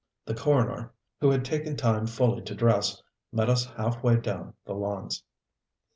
The coroner, who had taken time fully to dress, met us half way down the lawns.